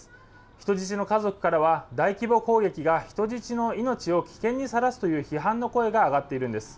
人質の家族からは、大規模攻撃が人質の命を危険にさらすという批判の声が上がっているんです。